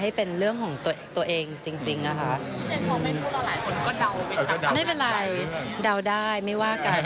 ไม่เป็นไรเดาได้เมื่อว่ากัน